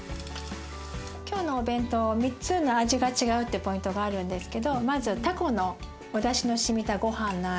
今日のお弁当３つの味が違うってポイントがあるんですけどまずたこのおだしのしみたごはんの味。